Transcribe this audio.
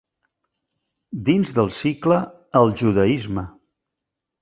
Dins del cicle “El judaisme.